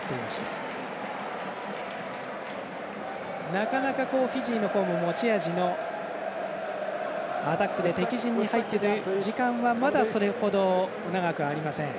なかなか、フィジーの方も持ち味のアタックで敵陣に入ってという時間はまだ、それほど長くありません。